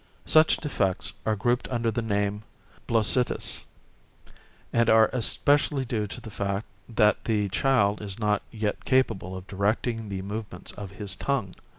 Such defects are grouped under the name bloesitas and are especially due to the fact that the child is not yet capable of directing the movements of his tongue.